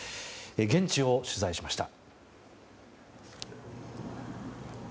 現地を取材しました。